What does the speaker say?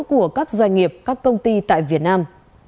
của các doanh nghiệp các công ty tại việt nam